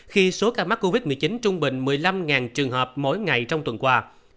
khi số ca mắc covid một mươi chín trung bình một mươi năm trường hợp mỗi ngày trong tuần qua